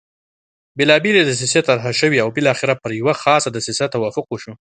بېلابېلې دسیسې طرح شوې او بالاخره پر یوه خاصه دسیسه توافق وشو.